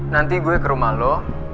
nanti gue ke rumah lo